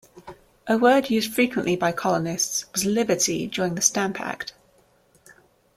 A word used frequently by colonists was "liberty" during the Stamp Act.